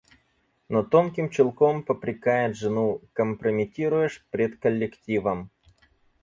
Но тонким чулком попрекает жену: – Компрометируешь пред коллективом.